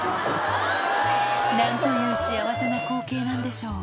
なんという幸せな光景なんでしょう。